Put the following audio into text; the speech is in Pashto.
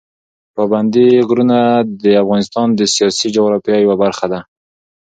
پابندي غرونه د افغانستان د سیاسي جغرافیه یوه برخه ده.